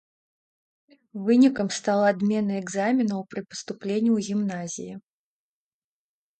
Вынікам стала адмена экзаменаў пры паступленні ў гімназіі.